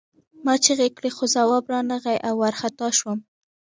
ما چیغې کړې خو ځواب را نغی او وارخطا شوم